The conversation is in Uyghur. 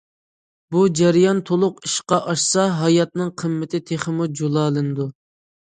بۇ جەريان تولۇق ئىشقا ئاشسا، ھاياتنىڭ قىممىتى تېخىمۇ جۇلالىنىدۇ.